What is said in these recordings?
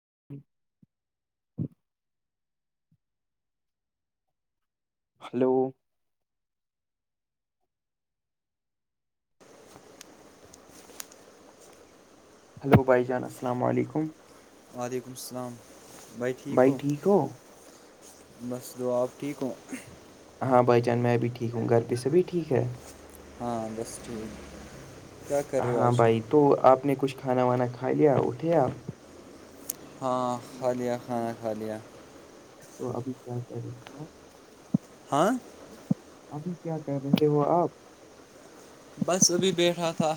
ج [inaudible] hello hello بھائی جان السلام علیکم وعلیکم السلام بائی ٹھیک ہو بس دعاب ٹھیک ہوں ہاں بھائی چان میں بھی ٹھیک ہوں گھر پہ سبھی ٹھیک ہے ہاں بس ٹھیک کیا کر رہے ہو ہاں آج تم بھائی تو آپ نے کچھ کھانا وانا کھا لیا اٹھے آپ ہاں کھا لیا کھانا کھا لیا تو ابھی کیا کہہ رہی ہو ہاں ابھی کیا کہ رہے ہو آپ بس ابھی بیٹھا تھا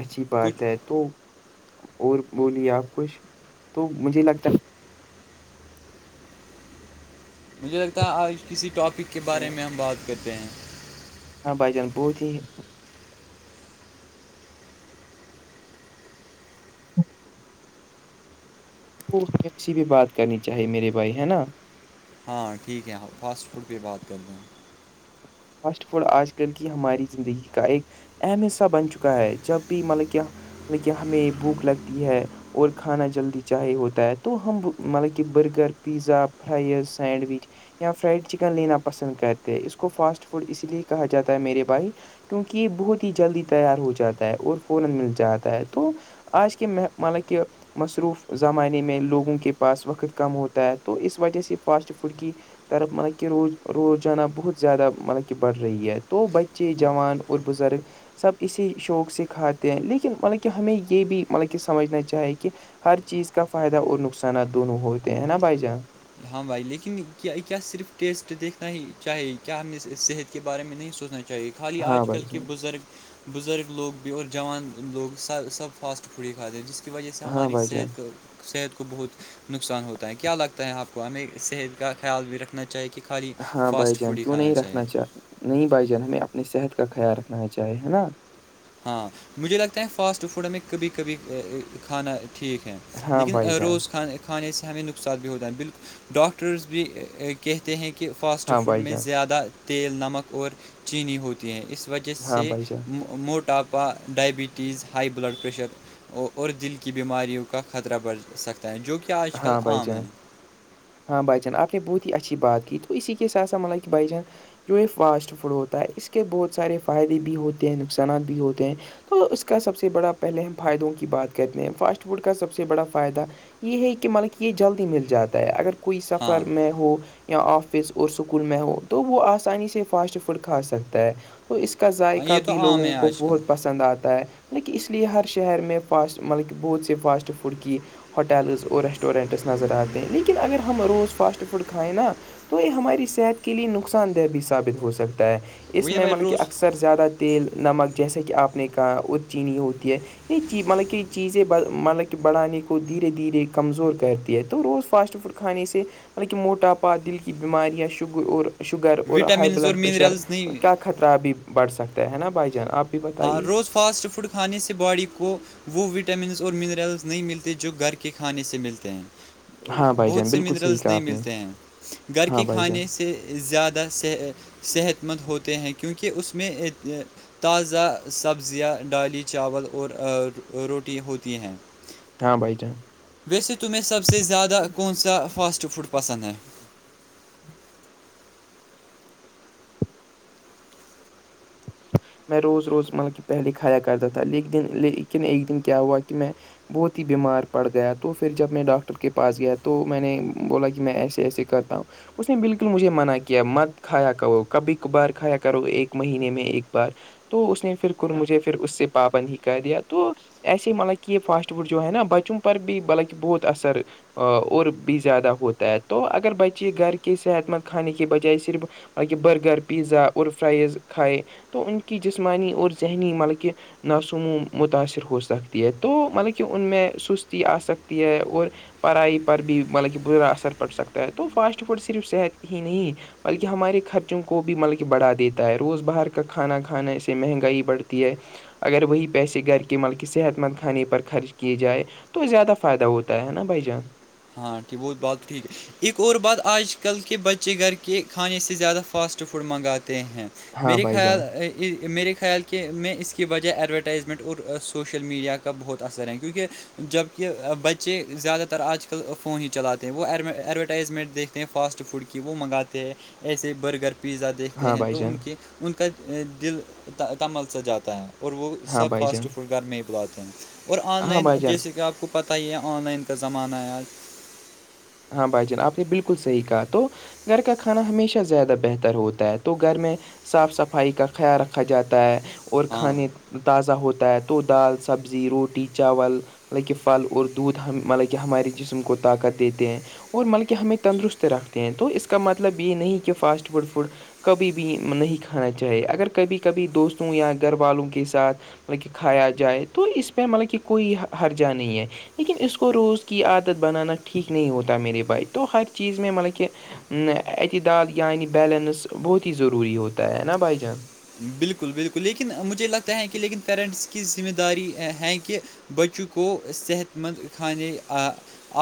اچھی بات کچھ ہے تو اور بولیے آپ کچھ تو مجھے لگتا ہے مجھے لگتا ہے آج کسی ٹاپک کے بارے ہے میں ہم بات کرتے ہیں ہاں بائی جان بہت ہی سی بھی بات کرنی چاہی میرے بھائی ہے نا ہاں ٹھیک ہے فاسٹ فوڈ پہ بات کرتے ہیں فاسٹ فوڈ آج کل کی ہماری زندگی کا ایک اہم حصہ بن چکا ہے جب بھی مطلب کہ مطلب کہ ہمیں بھوک لگتی ہے اور کھانا جلدی چاہے ہوتا ہے تو ہم مطلب کہ برگر پیزا فرائیز سینڈوچ یا فرائڈ چکن لینا پسند کرتے ہیں اس کو فاسٹ فوڈ اسی لیے کہا جاتا ہے میرے بھائی [inaudible] آج کے مطلب کہ [inaudible] ترف مطب کہ روز روزانہ بہت زیادہ مطلب کہ بڑھ رہی ہے تو بچے جوان اور بزرگ سب اسی شوق سے کھاتے ہیں لیکن مطلب کہ ہمیں یہ بھی مطلب کہ سمجھنا چاہے کہ ہر چیز کا فائدہ اور نقصانات دونوں ہوتے ہیں نا بھائی جان ہاں بھائی لیکن کیا صرف ٹیسٹ دیکھنا ہی چاہے کیا ہم نے صحت کے بارے میں نہیں سوچنا چاہیے خالی ہاں آج کل بھائی کے جان بزرگ بزرگ لوگ اور ج جوان لوگ سب فاسٹڈ فڈ ہی کھات جسے کی وجہ سے ہاں ہماری بھائی جان صحت کو صحت کو بہت نقصان ہوتا ہے کیا لگتا ہے آپ کو ہمیں صحت کا خیال بھی رکھنا چاہیے کہ خالی ہاں بھائی فاسٹ جان فوڈ ہی کیوں کھانا نہیں چاہیے رکھنا چاہ نہیں بھائی جان ہمیں اپنی صحت کا خیال رکھنا چاہے ہے نا ہاں مجھے لگتا ہے فاسٹ فوڈ ہم میں کبھی کبھی کھانا ٹھیک ہے ہاں لیکن بھائی جان روز خان کھانے سے ہمیں نقصان بھی ہوتا ہے بالکل ڈاکٹرز بھی کہتے ہیں کہ کہ فاسٹ ہاں فوڈ بھائی میں جان زیادہ تیل نمک اور چینی ہوتی ہے اس وجہ ہاں سے بھائی جان مو اپا ڈائبٹیز ہائی بلڈ پریشر اور دل کی بیماریوں کا خطرہ بڑھ سکتا جو کہ آج کل ہاں بھائی عام ہے جان ہاں بھائی جان آپ نے بہت ہی اچھی بات کی تو اسی کے ساتھا ملائی کہ بھائی جان جو یہ فاسٹ فوڈ ہوتا ہے اس کے بہت سارے فائدے بھی ہوتے ہیں نقصانات بھی ہوتے ہیں تو اس کا سب سے بڑا پہلے ہم فائدوں کی بات کرتے ہیں فاسٹ فوڈ کا سب سے بڑا فائدہ یہ ہے کہ ملا کہ یہ جلدی مل جاتا ہے اگر کوئی ہاں سفر میں ہو یا آفس اور اسکول میں ہو تو وہ آسانی سے فاسٹ فوڈ کھا سکتا ہے تو اس کا ہاں ذائقہ یہ تو بھی عام لوگوں ہے کو آج کل بہت پسند آتا ہے لیکن اس لیے ہر شہر میں فاسٹ مطلب کہ بہت سےی فاسٹ فوڈ کی ہوٹ ہوٹیلز اور ریسٹورینٹس نظر آتے ہیں لیکن اگر ہم روز فاسٹ فوڈ کھائیں نا تو یہ ہماری صحت کے لیے نقصان دہ بھی ثابت ہو سکتا ہے اس وہی نا بھائی میںمل کے روز اکثر اکثر زیادہ تیل نمک جیسے کہ آپ نے کہا اور چینی ہوتی ہے یہ چیز مطلب کہ چیزیں مطلب کہ بڑھانے کو دھیرے دھیرے کمزور کرتی ہے تو روز فاسٹ فوڈ کھانے سے مطلب کہ موٹاپا دل کی بیماریاں شگ اور شگر اور ہائی وٹامنز اور بلڈ پریشر منرلز نہیں خطرہ بھی بڑھ سکتا ہے نا بھائی جان آپ بھی ہاں بتائیے روز فاسٹ فوڈ کھانے سے باڈی کو وہ وٹامنس اور منرلز نہیں ملتے جو گھر کے کھانے سے ملتے ہیں ہاں بھائی بہت جان سے بالکل صحیح منرلس کہا نہیں آپ نے ملتے ہیں گھر ہاں کے بھائی جان کھانے سے زیادہ صحت مند ہوتے ہیں کیونکہ اس میں تزا سبزیاں ڈالی چاول اور روٹی ہوتی ہیں ہاں بھائی جان ویسے تمہیں سب سے زیادہ کون سا فاسٹ فوڈ پسند ہے میں روز روز مطلب کہ پہلے کھایا کرتا تھا ل دن لیکن ایک دن کیا ہوا کہ میں بہت ہی بیمار پڑ گیا تو پھر جب میں ڈاکٹر کے پاس گیا تو میں نے بولا کہ میں ایسے ایسے کرتا ہوں اس نے بالکل مجھے منع کیا مت کھایا کرو کبھی کبھار کھایا کرو ایک مہینے میں ایک بار تو اس نے پھر مجھے پھر اس سے پابند ہی کر دیا تو ایسے ہی مطلب کہ یہ فاسٹ فوڈ جو ہے نا بچوں پر بھی مطلب کہ بہت اثر اور بھی زیادہ ہوتا ہے تو اگر بچے گھر کے صحت مند کھانے کے بجائے صرف مطلب کہ برگر پیزا اور فرائز کھائے تو ان کی جسمانی اور ذہنی مطلب کہ نسوموں متاثر ہو سکتی ہے تو مطلب کہ ان میں سستی آ سکتی ہے اور پڑھائی پر بھی مطلب کہ برا اثر پڑ سکتا ہے تو فاسٹ فوڈ صرف صحت ہی نہیں بلکہ ہمارے خرچوں کو بھی مطلب کہ بڑھا دیتا ہے روز باہر کا کھانا کھانا سے مہنگائی بڑتی ہے اگر وہی پیسے گھر کے مل کےی صحت مند کھانے پر خرچ کیے جائے تو زیادہ فائدہ ہوتا ہے نا بھائی جان ہاں ٹھیک وہ بات ٹھیک ہے ایک اور بات آج کل کے بچے گھر کے کھانے سے زیادہ فاسٹ فوڈ منگاتے ہیں ہاں میرے بھائی خیال جان میرے خیال کے میں اس کی وجہ ایڈورٹائزمنٹ اور سوشل میڈیا کا بہت اثر ہے کیونکہ جبکہ بچے زیادہ تر آج کل ک فون ہی چلاتے ہیں وہ ایڈورٹائزمنٹ دیکھتے ہیں فاسٹ فوڈ کی وہ منگاتے ہیں ایسے برگر پیزا دیکھتے ہاں ہیں بھائی تو ان جان کے ان کا دل تمل سا جاتا ہے اور وہ ہاں سب بھائی فاسٹ جان فوڈ گھر میں ہی بلاتے ہیں اور آن ہاں لائن بھائی جان جیسے کہ آپ کو پتہ ہی یہ آن لائن کا زمانہ آج ہاں بھائی جان آپ نے بالکل صحیح کہا تو گھر کا کھانا ہمیشہ زیادہ بہتر ہوتا ہے تو گھر میں صاف صفائی کا خیال رکھا جاتا ہے اور ہاں کھانے تازہ ہوتا ہے تو دال سبزی روٹی چاول مطلب کہ پھل اور دودھ ہم مطلب کہ ہمارے جسم کو طاقت دیتے ہیں اور ملکہ ہمیں تندرست رکھتے ہیں تو اس کا مطلب یہ نہیں کہ فاسٹ فوڈ فوڈ کبھی بھی نہیں کھانا چاہیے اگر کبھی کبھی دوستوں یا گھر والوں کے ساتھ مطلب کہ کھایا جائے تو اس پہ مطلب کہ کوئی ہرجہ نہیں ہے لیکن اس کو روز کی عادت بنانا ٹھیک نہیں ہوتا میرے بھائی تو ہر چیز میں مطلب کہ اعتدال یعنی بیلنس بہت ہی ضروری ہوتا ہے نا بھائی جان بالکل بالکل لیکن مجھے لگتا ہے کہ لیکن پیرنٹس کی ذمہ داری ہے کہ بچوں کو صحت مند کھانے آ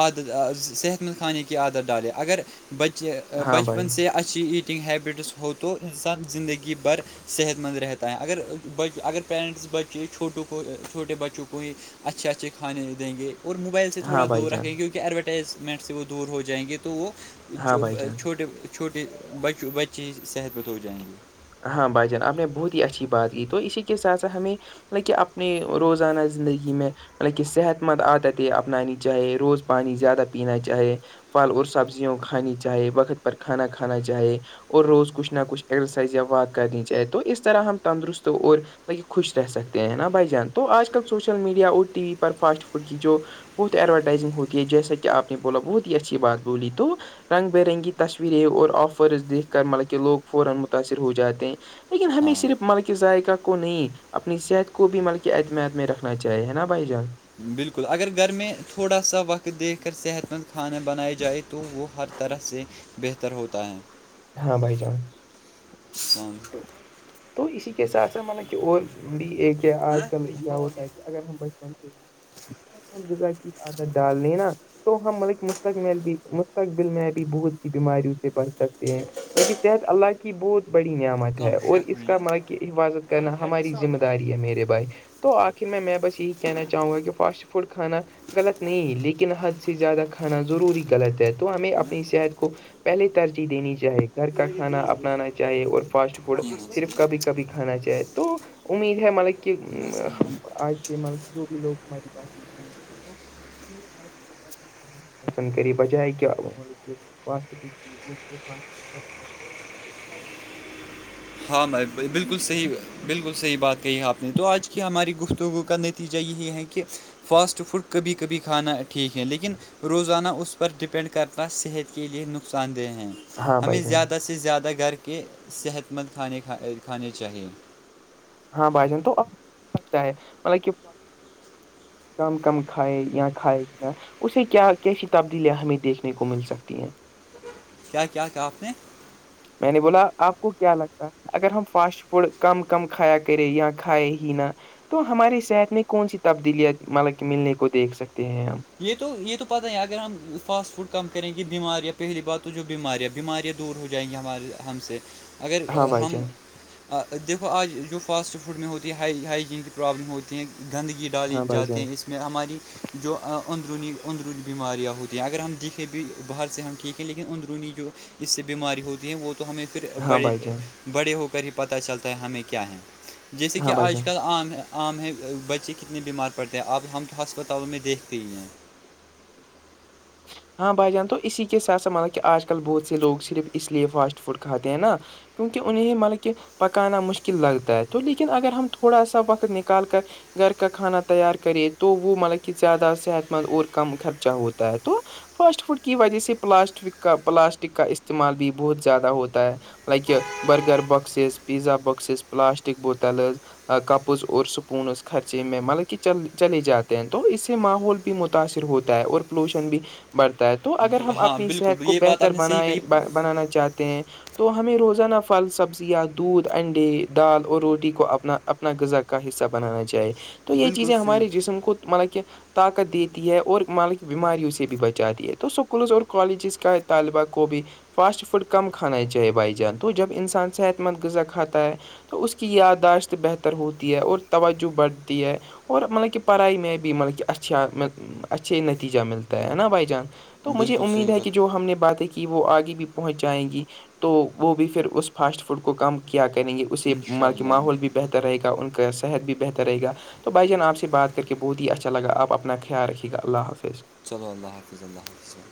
عادت صحت مند کھانے کی عادت ڈالے اگر بچے ہاں بچپن بھائی سے اچھی ایٹنگ ہیبٹس ہو تو انسان زندگی بھر صحت مند رہتا ہے اگر بچ اگر پیرنٹس بچے چھوٹوں کو چھوٹے بچوں کو ہی اچھے اچھے کھانے دیں گے اور مجھ موبائل سے تھوڑا ہاں بھائی دور جان رکھیں گے کیونکہ ایڈورٹائزمنٹ سے وہ دور ہو جائیں گے تو وہ ہاں بھائی جان چھوٹے چھوٹے بچ بچے صحت مند ہو جائیں گے ہاں بھائی جان آپ نے بہت ہی اچھی بات کی تو اسی کے ساتھ ساتھ ہمیں یہ کہ اپنی روزانہ زندگی میں مطلب کہ صحت مند عادت یہ اپنانی چاہیے روز پانی زیادہ پینا چاہے پھل اور سبزیوں کھانی چاہے وقت پر کھانا کھانا چاہے اور روز کچھ نہ کچھ یا وات کرنی چاہے تو اس طرح ہم تندرست اور ل خوش رہ سکتے ہیں نا بھائی جان تو آج کل سوشل میڈیا اور ٹی وی پر فاسٹ فوڈ کی جو بہت ایڈورٹائزنگ ہوتی ہے جیسا کہ آپ نے بولا بہت ہی اچھی بات بولی تو رنگ ب رنگی تصویریں اور فرسز دیکھ کر مطلبکہ لوگ فورامت متاثر ہو جاتے ہیں لیکن ہمیں ہاں صرف ملک ذائقہ کو نہیں اپنی صحت کو بھی مطل اعتمت میں رکھنا چاہیے ہے نا بھائی جان بالکل اگر گھر میں تھوڑا سا وقت دیکھ کر صحت مند کھانا بنیا جائے تو وہ ہر طرح سے بہتر ہوتا ہے ہاں بھائی چان سام تو اسی کے حساتھ س مطلب کہ اور بھی ایک آج کل ہوتا ہے کہ اگر ہم ب جا کی آدر ڈالنی نا تو ہم بلک مستقبل بھی مستقبل میں بھی بہت سی بیماریوں سے بڑ ہیں لہ صحت اللہ کی بہت بڑی نعمت ہے کم اور شیخ اس کا مطلب کہ حفاظت کرنا ہماری ذمہ داری ہے میرے بھائی تو آخر میں میں بس یہی کہنا چاہوں گا کہ فاسٹ فوڈ کھانا غلط نہیں لیکن حد سے زیادہ کھانا ضروری غلط ہے تو ہمیں اپنی صحت کو پہلے ترجیح دینی چائےے گی گھر کا کھانا اپنانا چاہے اور فاسٹ فوڈ صرف کبھی کبھی کھانا چاہے تو امید ہے ملک کی م جو بھی لوگ ہماری پس پسند کر بجائے کہ پاسبل وہ پانچ ف ہاں میں بالکل صحیح بالکل صحیح بات کہی آپ نے تو آج کی ہماری گفتگو کا نتیجہ یہی ہے کہ فاسٹ فوڈ کبھی کبھی کھانا ٹھیک ہے لیکن روزانہ اس پر ڈپینڈ کرنا صحت کے لیے نقصان دہ ہیں ہاں بھائی ہمیں جان زیادہ سے زیادہ گھر کے صحت مند کھانے کھ کھانے چاہیے ہاں بھائی جان توتا ہے مطلب کہ کم کم کھائے یہاں کھائے گ نا اسے کیا کیسی تبدیلیاں ہمیں دیکھنے کو مل سکتی ہیں کیا کیا کہ آپ نے میں نے بولا آپ کو کیا لگتا ہے اگر ہم فاسٹ فوڈ کم کم کھایا کرے یااں کھائے ہی نا تو ہماری صحت میں کون سی تبدیلیت مطلب کہ ملنے کو دیکھ سکتے ہیں ہم یہ تو یہ تو پتہ ہے اگر ہم فاسٹ فوڈ کم کریں کہ بیماریاں پہلی بار تو جو بیماریاں بیماریاں تو دور ہو جائیں گے ہمارے ہم سے اگر ہاں بھائی ہم جان دیکھو آج جو فاسٹ فوڈ میں ہوتی ہیں ہ ہائجین کی پرابلم ہوتی ہیں گندگی ڈالی ہاں بھائی جاتی جان ہیں اس میں ہماری جو اندرونی اندرونی بیماریاں ہوتی ہیں اگر ہم دکھیں بھی باہر سے ہم ٹھیک ہیں لیکن اندرونی جو اس سے بیماری ہوتی ہے وہ تو ہمیں پھر ہاں بڑے بھائی جان بڑے ہو کر ہی پتہ چلتا ہے ہمیں کیا ہے جیسے کہ ہاں بھائی آج جان کل عام عام ہے بچے کتنے بیمار پڑتے ہیں اب ہم تو ہسپتالوں میں دیکھ پ ہیں ہاں بھائی جان تو اسی کے ساتھ س مطلب کہ آج کل بہت سے لوگ صرف اس لیے فاسٹ فوڈ کھاتے ہیں نا کیونکہ انہ ہی مطلب کہ پکانا مشکل لگتا ہے تو لیکن اگر ہم تھوڑا سا وقت نکال کر گھر کا کھانا تیار کرے تو وہ مطلب کہ زیادہ صحت مند اور کم خرچہ ہوتا ہے تو فاسٹ فوڈ کی وجہ سے پلاسٹک کا پلاسٹک کا استعمال بھی بہت زیادہ ہوتا ہے like burger boxes pizza boxes plastic bottles cups اور سکون اس خرچے میں مطلب کہل چلے جاتے ہیں تو اس سے ماحول متاثر ہوتا ہے اور پولوشن بھی بڑھتا ہے تو اگر ہم ہاں اپنی بالکل صحت کو یہ بات آپ بہتر نے صحیح بنائے کہی بنانا چاہتے ہیں تو ہمیں روزانہ پھل سبزیاں دودھ انڈے دال اور روٹی کو اپنا اپنا غذا کا حصہ بنانا جائے تو یہ بالکل چیزیں ہمارے صحیح جسم کو مطلب کہ طاقت دیتی ہے اور مطلب بیماریوں سے بھی بچات دی ہے تو اسکولز اور کالجز کا طالبہ کو بھی فاسٹ فوڈ کم کھانا ہی چاہے بائی جان تو جب انسان صحت مند غذا کھاتا ہے تو اس کی یادداشت بہتر ہوتی ہے اور توجہ بڑھتی ہے اور مطلب کہ پڑھائی میں بھی مطلب کہ اچھا اچھھی جا ملتا ہے نا بھائی جان تو مجھے بالکل امید صحیح ہے کہ بات جو ہم نے باتیں کی وہ آگے بھی پہنچ جائیں گی تو وہ بھی پھر اس فاسٹ فوڈ کو کم کیا کریں گے اس سے انشاء کے اللہ ماحول بھی بہتر رہے گا ان کا صحت بھی بہتر رہے گا تو بھائی جان آپ سے بات کر کے بہت ہی اچھا لگا آپ اپنا خیال رکے گا اللہ حافظ چلو اللہ حاتفظ اللہ حاتفظو